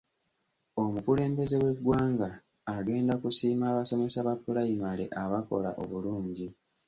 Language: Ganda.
Omukulembeze w'eggwanga agenda kusiima abasomesa ba pulayimale abakola obulungi.